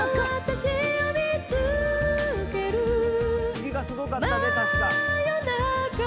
次がすごかったで確か。